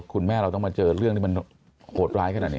คุณแม่เราต้องมาเจอเรื่องที่มันโหดร้ายขนาดนี้